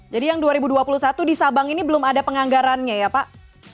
jadi yang dua ribu dua puluh satu di sabang ini belum ada penganggarannya ya pak